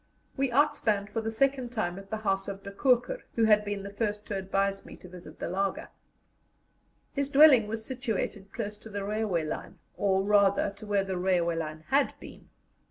We outspanned for the second time at the house of De Koker, who had been the first to advise me to visit the laager. His dwelling was situated close to the railway line, or, rather, to where the railway line had been.